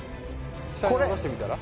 下に下ろしてみたら？